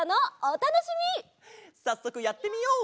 さっそくやってみよう！